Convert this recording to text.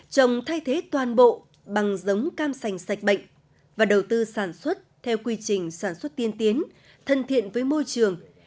trồng thay thế toàn bộ bằng giống cam sành sạch bệnh và đầu tư sản xuất theo quy trình sản xuất tiên tiến thân thiện với môi trường